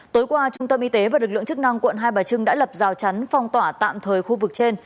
tối qua trung tâm y tế và lực lượng chức năng quận hai bà trưng đã lập rào chắn phong tỏa tạm thời khu vực trên